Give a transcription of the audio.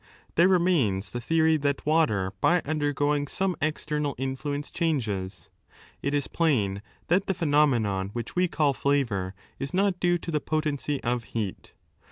There remains the theory that water by undergoing some external influence, chtmges. It is plain 6 that the phenomenon which we call flavour is not due to the potency of heat.